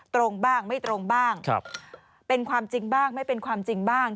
ตรงบ้างไม่ตรงบ้างเป็นความจริงบ้างไม่เป็นความจริงบ้าง